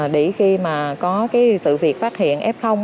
để khi có sự việc phát hiện f